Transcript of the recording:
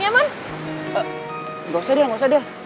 gak usah del gak usah del